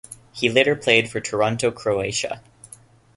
He later played for Toronto Croatia.